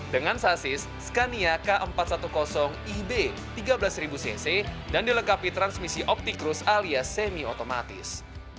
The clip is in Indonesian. dengan sasis scania k empat ratus sepuluh ib tiga belas cc dan dilengkapi transmisi optikrus alias semi otomatis